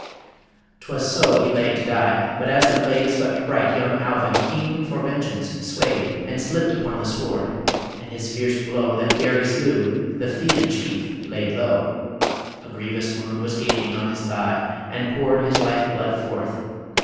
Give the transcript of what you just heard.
'Twas so he lay to die ... But as the blade Swept bright, young Alvin, keen for vengeance, swayed, And slipped upon the sward ... And his fierce blow That Garry slew, the Fian chief laid low A grievous wound was gaping on his thigh, And poured his life blood forth